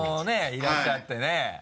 いらっしゃってね。